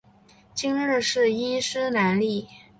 今日是伊斯兰历。